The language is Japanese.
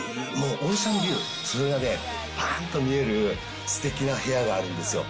オーシャンビュー、それがね、ばーんと見える、すてきな部屋があるんですよ。